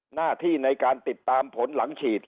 หน้าที่ในการติดตามผลหลังฉีด